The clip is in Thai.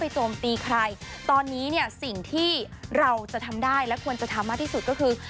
โจมตีใครตอนนี้เนี่ยสิ่งที่เราจะทำได้และควรจะทำมากที่สุดก็คือ